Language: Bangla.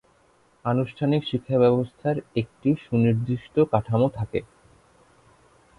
আনুষ্ঠানিক শিক্ষাব্যবস্থার একটি সুনির্দিষ্ট কাঠামো থাকে।